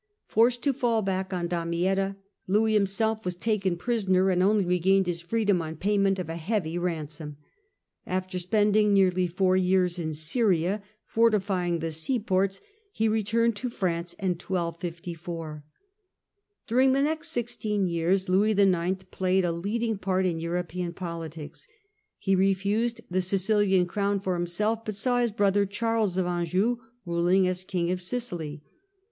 P'orced to fall back on Damietta, Louis himself was taken prisoner, and only regained his freedom on payment of a heavy ransom. After spending nearly four years in Syria, fortifying the seaports, he returned to France in 1254. During the next sixteen years Louis IX. played a leading part in European politics. He refused the Sicilian crown for himself, but saw his brother Charles of Anjou ruling as King of Sicily.